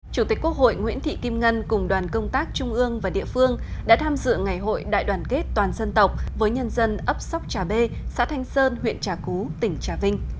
chủ tịch quốc hội nguyễn thị kim ngân cùng đoàn công tác trung ương và địa phương đã tham dự ngày hội đại đoàn kết toàn dân tộc với nhân dân ấp sóc trà bê xã thanh sơn huyện trà cú tỉnh trà vinh